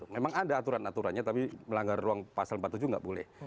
memang ada aturan aturannya tapi melanggar ruang pasal empat puluh tujuh nggak boleh